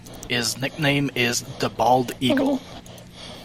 His nickname is "The Bald Eagle".